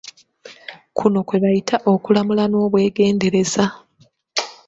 Kuno kwe bayita okulamula n'obwegendereza.